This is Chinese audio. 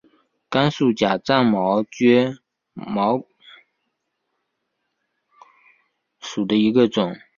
甘肃假钻毛蕨为骨碎补科假钻毛蕨属下的一个种。